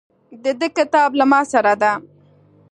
د ده کتاب له ماسره ده.